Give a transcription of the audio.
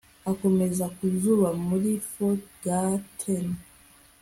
Akomeza ku zuba muri Hofgarten